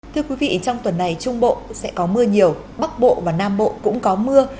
thưa quý vị trong tuần này trung bộ sẽ có mưa nhiều bắc bộ và nam bộ cũng có mưa